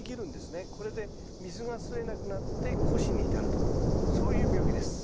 これで水が吸えなくなって枯死に至るとそういう病気です。